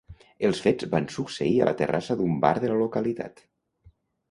Els fets van succeir a la terrassa d’un bar de la localitat.